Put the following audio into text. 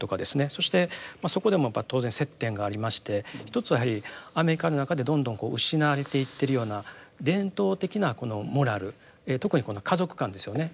そしてそこでも当然接点がありまして一つはやはりアメリカの中でどんどん失われていってるような伝統的なこのモラル特にこの家族観ですよね。